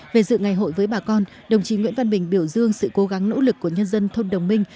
về dự ngày hội với bà con đồng chí nguyễn văn bình biểu dương sự cố gắng nỗ lực của nhân dân thôn đồng minh